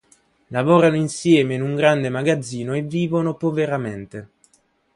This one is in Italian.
Lavorano insieme in un grande magazzino e vivono poveramente.